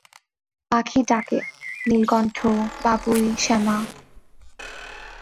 পাখি ডাকে-নীলকণ্ঠ, বাবুই, শ্যামা।